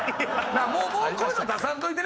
もうこういうの出さんといてね